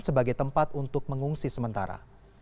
sebagai tempat untuk mengungsi sementara